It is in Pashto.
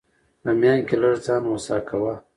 په ميان کي لږ ځان هوسا کوه!